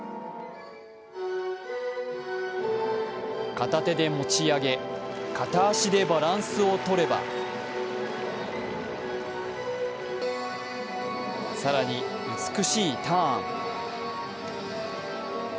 片手で持ち上げ、片足でバランスを取れば更に美しいターン。